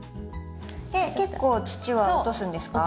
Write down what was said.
結構土は落とすんですか？